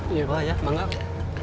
iya pak ya makasih